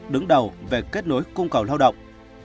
đứng đầu về kết nối cung cầu lao động